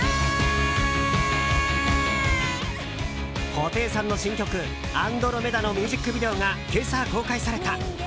布袋さんの新曲「Ａｎｄｒｏｍｅｄａ」のミュージックビデオが今朝公開された。